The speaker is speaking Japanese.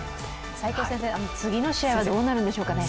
齋藤先生、次の試合はどうなるんでしょうか？